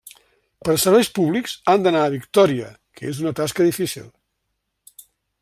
Per a serveis públics, han d'anar a Victòria, que és una tasca difícil.